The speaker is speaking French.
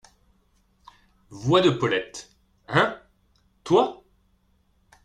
Voix de Paulette. — Hein ! toi !…